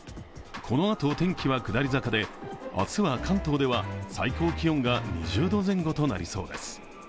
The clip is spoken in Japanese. このあと、天気は下り坂で、明日は関東では最高気温が２０度前後となりそうです。